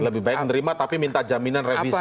lebih baik menerima tapi minta jaminan revisi